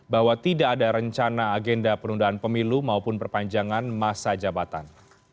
bahwa tidak ada rencana agenda penundaan pemilu maupun perpanjangan masa jabatan